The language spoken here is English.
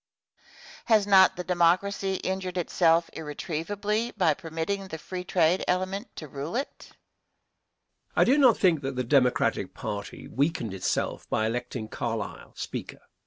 Has not the Democracy injured itself irretrievably by permitting the free trade element to rule it? Answer. I do not think that the Democratic party weakened itself by electing Carlisle, Speaker.